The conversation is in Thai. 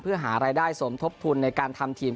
เพื่อหารายได้สมทบทุนในการทำทีม